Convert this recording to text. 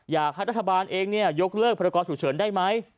อยากให้รัฐบาลเองยกเลิกพรกรฉุกเฉินได้ไหม